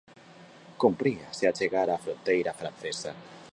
Cumpría se achegar á fronteira francesa.